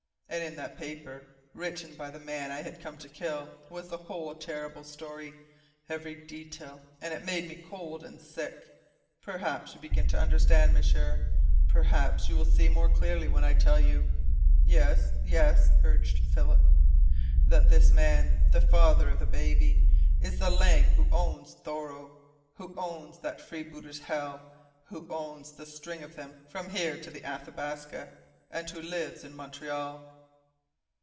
And in that paper, written by the man I had come to kill, was the whole terrible story, every detail and it made me cold and sick. Perhaps you begin to understand, M'sieur. Perhaps you will see more clearly when I tell you " "Yes, yes," urged Philip. " that this man, the father of the baby, is the Lang who owns Thoreau, who owns that freebooters' hell, who owns the string of them from here to the Athabasca, and who lives in Montreal!"